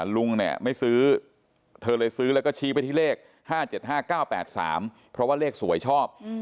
ลุงเนี่ยไม่ซื้อเธอเลยซื้อแล้วก็ชี้ไปที่เลข๕๗๕๙๘๓เพราะว่าเลขสวยชอบ